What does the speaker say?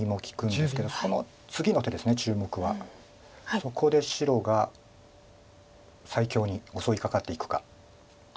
そこで白が最強に襲いかかっていくか。